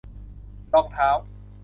รองเท้า